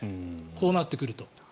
こうなってくると。